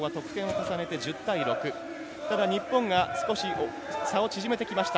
日本が少し差を縮めてきました。